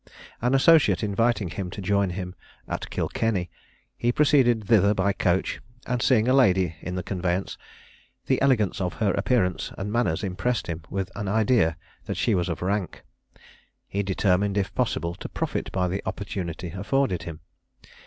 An associate inviting him to join him at Kilkenny, he proceeded thither by coach, and seeing a lady in the conveyance, the elegance of her appearance and manners impressed him with an idea that she was of rank. He determined, if possible, to profit by the opportunity afforded him.